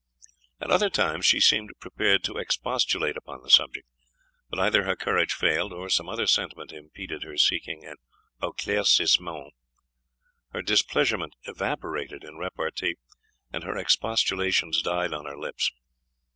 At other times she seemed prepared to expostulate upon the subject. But either her courage failed, or some other sentiment impeded her seeking an e'claircissement. Her displeasure evaporated in repartee, and her expostulations died on her lips.